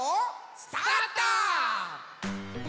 スタート！